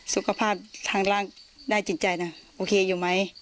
สุขภาพทางร่างได้จิตใจนะโอเคอยู่ไหม